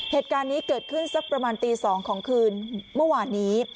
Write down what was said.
เหตุการณ์นี้เกิดขึ้นสักประมาณตี๒ของคืนเมื่อวานนี้